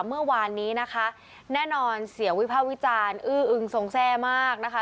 เมื่อวานนี้นะคะแน่นอนเสียวิภาควิจารณ์อื้ออึงทรงแทร่มากนะคะ